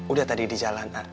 udah tadi di jalan